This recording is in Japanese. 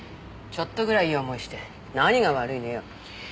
ちょっとぐらいいい思いして何が悪いのよ。